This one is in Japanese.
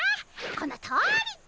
このとおり！